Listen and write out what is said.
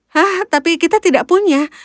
hah tapi kita tidak punya